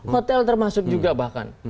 hotel termasuk juga bahkan